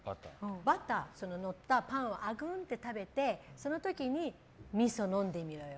バターのったパンをあぐんと食べてその時に、みそ飲んでみろよ。